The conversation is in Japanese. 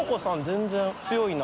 全然強いな。